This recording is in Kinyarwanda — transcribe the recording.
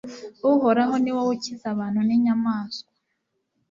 Uhoraho ni wowe ukiza abantu n’inyamaswa